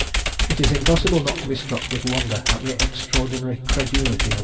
"It is impossible not to be struck with wonder at the extraordinary credulity of Wm.